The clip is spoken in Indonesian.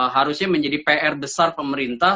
harusnya menjadi pr besar pemerintah